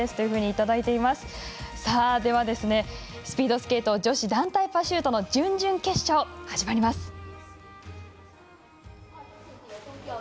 スピードスケート女子団体パシュートの準々決勝、始まります。